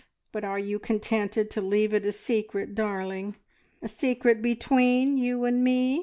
"But are you contented to leave it a secret, darling, a secret between you and me?